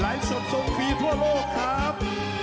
ไลน์ส่งส่งฟรีทั่วโลกครับ